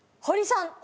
堀さん！